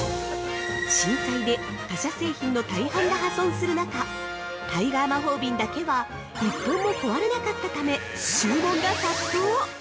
◆震災で他社製品の大半が破損する中タイガー魔法瓶だけは一本も壊れなかったため注文が殺到！